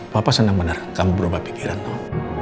papa senang benar kamu berubah pikiran noh